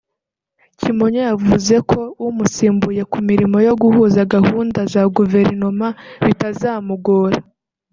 Kimonyo yavuze ko umusimbuye ku mirimo yo guhuza gahunda za Guverinoma bitazamugora